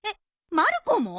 まる子も？